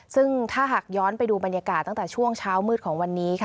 ซึ่งถ้าหากย้อนไปดูบรรยากาศตั้งแต่ช่วงเช้ามืดของวันนี้ค่ะ